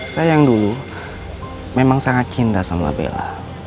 saya yang dulu memang sangat cinta sama bella